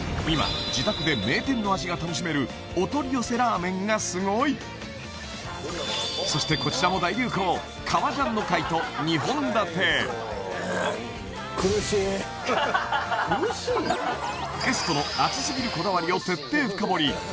今自宅で名店の味が楽しめるお取り寄せラーメンがすごいそしてこちらも大流行革ジャンの会と２本立てゲストの熱すぎるこだわりを徹底深掘り